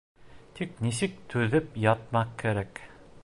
Тик нисек түҙеп ятмаҡ кәрәк.